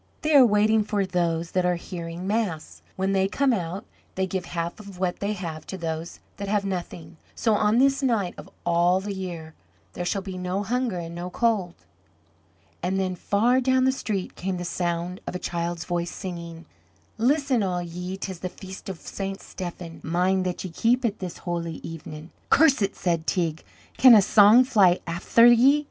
"They are waiting for those that are hearing mass. When they come out, they give half of what they have to those that have nothing, so on this night of all the year there shall be no hunger and no cold." And then far down the street came the sound of a child's voice, singing: "Listen all ye, 'tis the Feast o' St. Stephen, Mind that ye keep it, this holy even". "Curse it!" said Teig; "can a song fly afther ye?"